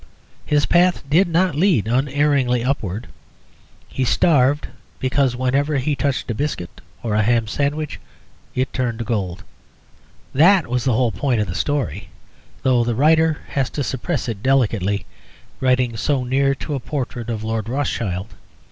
His path did not lead unerringly upward. He starved because whenever he touched a biscuit or a ham sandwich it turned to gold. That was the whole point of the story, though the writer has to suppress it delicately, writing so near to a portrait of Lord Rothschild.